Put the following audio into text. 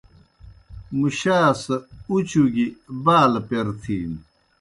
مُشاس اُچوگیْ بالہ پیر تِھینوْ۔